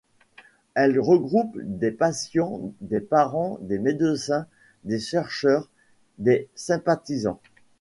Elle regroupe des patients, des parents, des médecins, des chercheurs, des sympathisants.